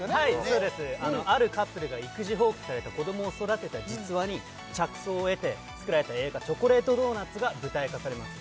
そうですあるカップルが育児放棄された子供を育てた実話に着想を得て作られた映画「チョコレートドーナツ」が舞台化されます